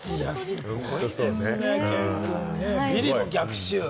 すごいですねケンくん、ビリの逆襲。